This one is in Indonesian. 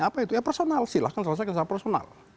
apa itu ya personal silahkan selesaikan secara personal